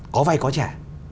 có vay có trả